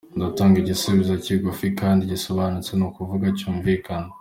Ndatanga igisubizo kigufi kandi gisobanutse, ni ukuvuga cyumvikana :